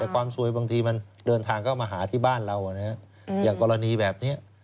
แต่ความซวยบางทีมันเดินทางเข้ามาหาที่บ้านเราอย่างกรณีแบบนี้